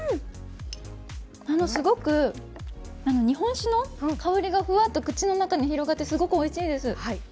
日本酒の香りがふわっと口の中に広がってすごくおいしいです。